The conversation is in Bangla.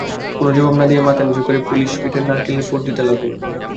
কোনো জবাব না দিয়ে মাথা নিচু করে পুলিপিঠের মধ্যে নারকেলের পুর দিতে লাগলুম।